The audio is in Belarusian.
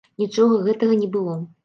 Нічога гэтага не было.